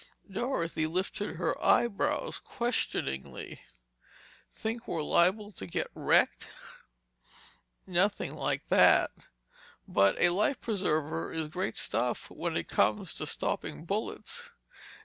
Dorothy lifted her eyebrows questioningly. "Think we're liable to get wrecked?" "Nothing like that—but a life preserver is great stuff when it comes to stopping bullets."